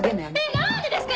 何ですか？